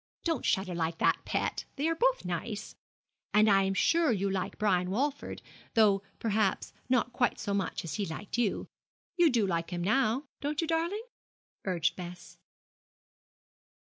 Don't shudder like that, pet, they are both nice! And I'm sure you like Brian Walford, though, perhaps, not quite so much as he liked you. You do like him now, don't you, darling?' urged Bess.